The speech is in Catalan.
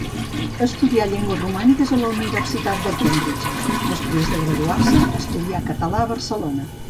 Estudià llengües romàniques a la universitat de Cambridge; després de graduar-se, estudià català a Barcelona.